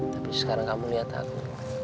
tapi sekarang kamu lihat aku